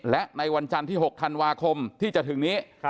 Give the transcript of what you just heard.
และในวันจันทร์ที่๖ธันวาคมที่จะถึงนี้